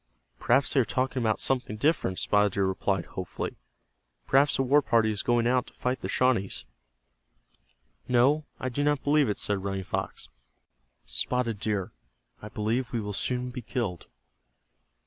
"Perhaps they are talking about something different," Spotted Deer replied, hopefully. "Perhaps a war party is going out to fight the Shawnees." "No, I do not believe it," said Running Fox. "Spotted Deer, I believe we will soon be killed."